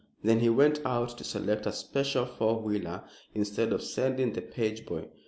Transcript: Then he went out to select a special four wheeler instead of sending the page boy.